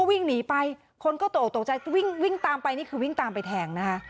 วิ่งหนีไปคนก็ตกตกใจวิ่งวิ่งตามไปนี่คือวิ่งตามไปแทงนะคะ